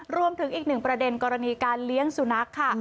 รวมถึงอีกหนึ่งประเด็นกรณีการเลี้ยงสุนัขค่ะ